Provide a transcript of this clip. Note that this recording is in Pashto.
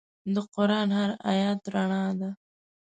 د قرآن هر آیت رڼا ده.